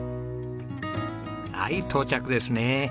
はい到着ですね。